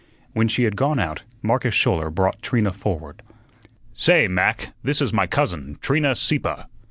When she had gone out, Marcus Schouler brought Trina forward. "Say, Mac, this is my cousin, Trina Sieppe."